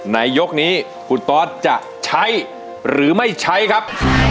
ในยกนี้คุณตอสจะใช้หรือไม่ใช้ครับ